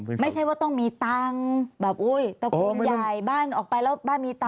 ไม่ใช่ว่าต้องมีตังค์แบบอุ้ยตะโกงใหญ่บ้านออกไปแล้วบ้านมีตังค์